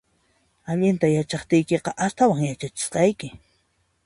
Allinta yachaqtiykiqa, astawan yachachisqayki